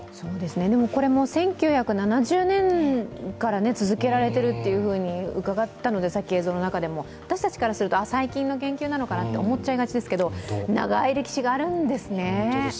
でもこれも１９７０年から続けられてると伺ったので、私たちからすると最近の研究なのかなと思いがちですけど長い歴史があるんですね。